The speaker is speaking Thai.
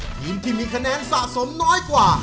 ทีมที่มีคะแนนสะสมน้อยกว่า